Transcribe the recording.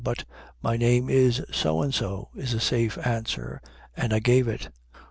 But "my name is So and so" is a safe answer, and I gave it.